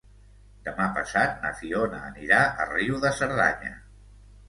Demà passat na Fiona anirà a Riu de Cerdanya.